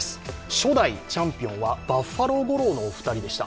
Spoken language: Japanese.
初代チャンピオンはバッファロー吾郎のお二人でした。